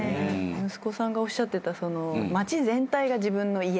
息子さんがおっしゃってた「街全体が自分の家」